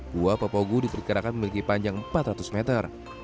gua papogu diperkirakan memiliki panjang empat ratus meter